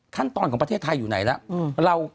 ขั้นตอนของประเทศไทยอยู่ไหนแล้ว